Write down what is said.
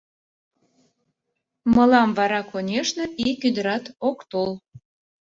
Мылам вара, конешне, ик ӱдырат ок тол.